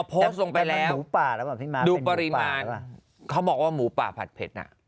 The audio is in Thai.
พอโพสต์ส่งไปแล้วดูปริมาณเขาบอกว่ามูป่าผัดเพชน่ะ